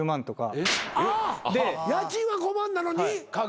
あ家賃は５万なのに？